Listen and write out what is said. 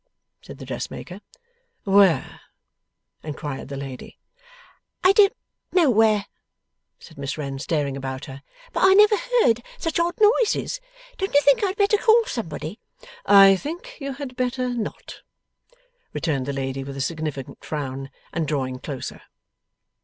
said the dressmaker. 'Where?' inquired the lady. 'I don't know where,' said Miss Wren, staring about her. 'But I never heard such odd noises. Don't you think I had better call somebody?' 'I think you had better not,' returned the lady with a significant frown, and drawing closer.